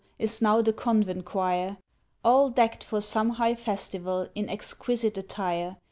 Is now the Convent Choir; All deck'd for some high festival In exquisite attire.